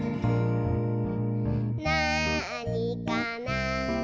「なあにかな？」